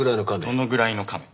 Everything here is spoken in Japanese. どのぐらいのカメ。